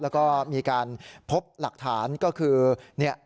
แล้วก็มีการพบหลักฐานก็คือเนี่ย